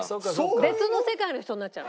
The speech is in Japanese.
別の世界の人になっちゃう。